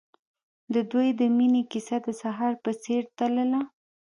د دوی د مینې کیسه د سهار په څېر تلله.